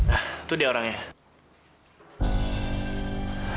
ah itu dia orangnya